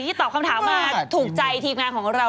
ตอบคำถามมาถูกใจทีมงานของเรา